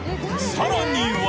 ［さらには］